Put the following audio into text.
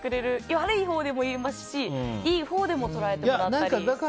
悪いほうでも言いますしいいほうでも捉えてもらったり。